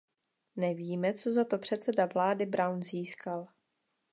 Nevíme, co za to předseda vlády Brown získal.